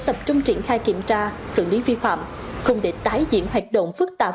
tập trung triển khai kiểm tra xử lý vi phạm không để tái diễn hoạt động phức tạp